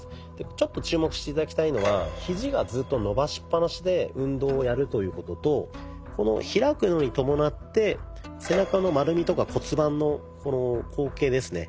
ちょっと注目して頂きたいのはひじがずっと伸ばしっぱなしで運動をやるということとこの開くのにともなって背中の丸みとか骨盤の後傾ですね